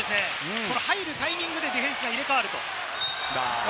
入るタイミングでディフェンスが入れ替わります。